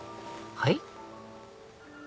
はい？